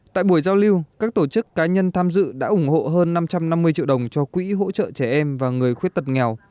tại buổi giao lưu các tổ chức cá nhân tham dự đã ủng hộ hơn năm trăm năm mươi triệu đồng cho quỹ hỗ trợ trẻ em và người khuyết tật nghèo